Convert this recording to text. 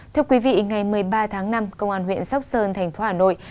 thưa quý vị ngày một mươi ba tháng năm công an huyện sóc sơn thành phố hà nội